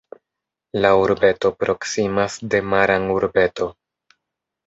La urbeto proksimas de Maran urbeto.